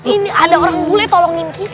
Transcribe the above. ini ada orang bule tolongin kita